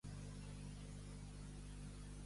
Ens podries posar música indie?